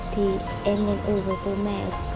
thì em nên ở với cô mẹ